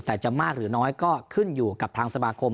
แต่จะมากหรือน้อยก็ขึ้นอยู่กับทางสมาคม